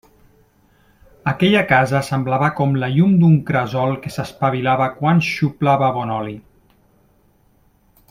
Aquella casa semblava com la llum d'un cresol que s'espavilava quan xuplava bon oli.